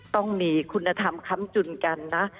ต้องมีคุณธรรมค้ำจุนกันนะ